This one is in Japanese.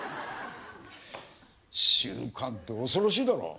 習慣って恐ろしいだろう。